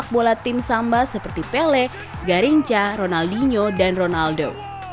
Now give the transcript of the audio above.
sepak bola tim samba seperti pele garencha ronaldinho dan ronaldo